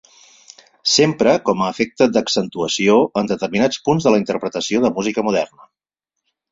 S'empra com a efecte d'accentuació en determinats punts de la interpretació de música moderna.